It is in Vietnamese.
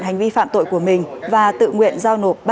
hành vi phạm tội của mình và tự nguyện giao nộp